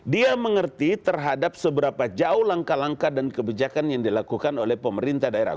dia mengerti terhadap seberapa jauh langkah langkah dan kebijakan yang dilakukan oleh pemerintah daerah